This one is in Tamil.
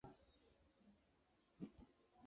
அவள் நினைவுகள் பழமைக்குச் சென்றன.